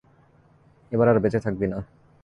এবার আর বেঁচে থাকবি না।